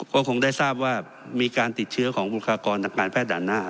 ก็คงได้ทราบว่ามีการติดเชื้อของบุคลากรทางการแพทย์ด่านหน้า